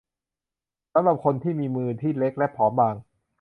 สำหรับคนที่มีมือที่เล็กและผอมบาง